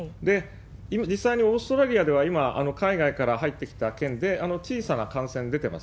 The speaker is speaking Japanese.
今、実際にオーストラリアでは今、海外から入ってきた件で、小さな感染出てます。